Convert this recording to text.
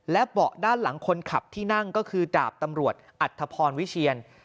เบาะด้านหลังคนขับที่นั่งก็คือดาบตำรวจอัธพรวิเชียน